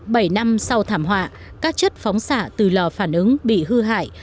bảy năm sau thảm họa các chất phóng xạ từ lò phản ứng bị hư hại